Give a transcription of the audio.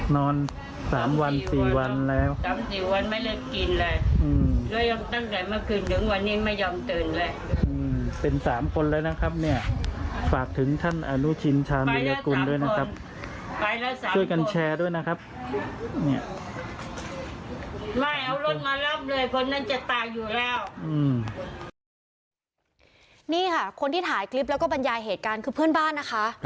นี่ค่ะคนที่ถ่ายคลิปแล้วก็บรรยายเหตุการณ์คือเพื่อนบ้านนะคะ